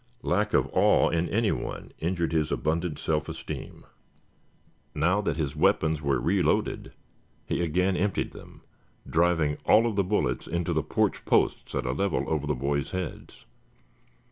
Lack of awe in anyone injured his abundant self esteem. Now that his weapons were reloaded, he again emptied them, driving all of the bullets into the porch posts at a level over the boys' heads.